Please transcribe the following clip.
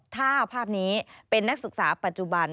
ถ้าภาพนี้เป็นนักศึกษาปัจจุบัน